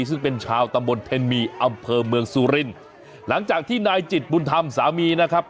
ซึ่งเป็นชาวตำบลเทนมีอำเภอเมืองสุรินหลังจากที่นายจิตบุญธรรมสามีนะครับ